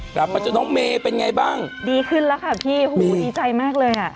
กลับมาเจอน้องเมย์เป็นไงบ้างดีขึ้นแล้วค่ะพี่หูดีใจมากเลยอ่ะ